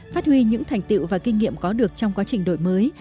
phát huy những thành tiệu và kinh nghiệm có được trong quá trình đổi mới